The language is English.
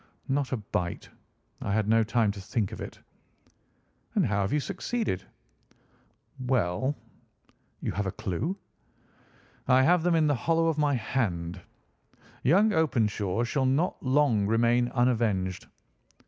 "Not a bite. I had no time to think of it." "And how have you succeeded?" "Well." "You have a clue?" "I have them in the hollow of my hand. Young Openshaw shall not long remain unavenged.